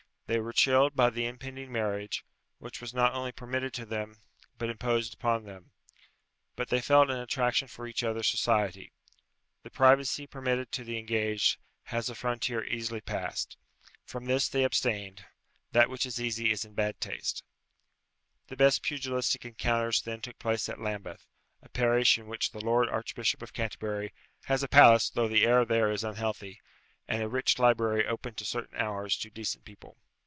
They were chilled by the impending marriage, which was not only permitted to them, but imposed upon them; but they felt an attraction for each other's society. The privacy permitted to the engaged has a frontier easily passed. From this they abstained; that which is easy is in bad taste. The best pugilistic encounters then took place at Lambeth, a parish in which the Lord Archbishop of Canterbury has a palace though the air there is unhealthy, and a rich library open at certain hours to decent people.